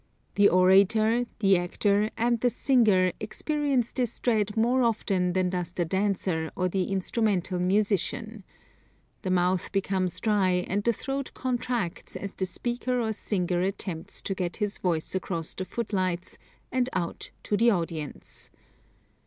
The orator, the actor and the singer experience this dread more often than does the dancer or the instrumental musician. The mouth becomes dry and the throat contracts as the speaker or singer attempts to get his voice across the footlights and out to the audience.